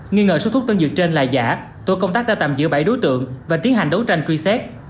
nghi ngờ số thuốc tân dược trên là giả tổ công tác đã tạm giữ bảy đối tượng và tiến hành đấu tranh truy xét